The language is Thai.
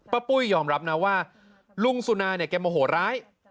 ปุ้ยยอมรับนะว่าลุงสุนาเนี่ยแกโมโหร้าย